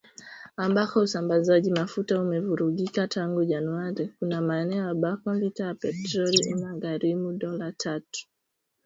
Ambako usambazaji mafuta umevurugika tangu Januari, kuna maeneo ambako lita ya petroli inagharimu dola tatu